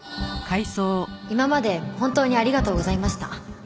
今まで本当にありがとうございました。